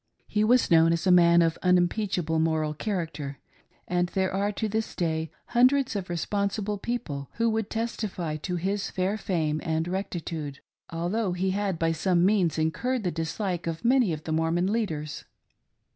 He was known as a man of unimpeachable moral character, and there are to this day hundreds of responsible people who would testify to his fair fame and rectitude ; although he had by some means incurred the dislike of many of the Mormon leaders.